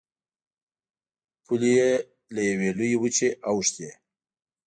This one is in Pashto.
پولې یې له یوې لویې وچې اوښتې.